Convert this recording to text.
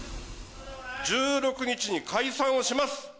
１６日に解散をします。